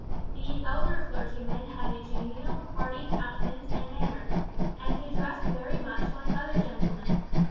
The elder clergyman had a genial, hearty countenance and manner, and he dressed very much like other gentlemen.